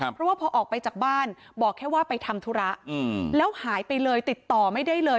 เพราะว่าพอออกไปจากบ้านบอกแค่ว่าไปทำธุระแล้วหายไปเลยติดต่อไม่ได้เลย